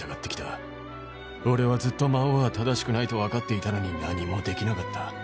「俺はずっと魔王は正しくないと分かっていたのに何もできなかった」